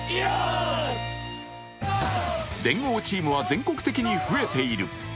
連合チームは全国的に増えている。